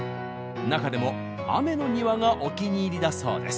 中でも「雨の庭」がお気に入りだそうです。